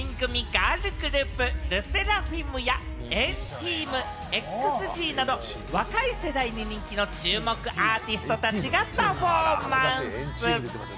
ガールズグループ・ＬＥＳＳＥＲＡＦＩＭや、＆ＴＥＡＭ、ＸＧなど、若い世代に人気の注目アーティストたちがパフォーマンス！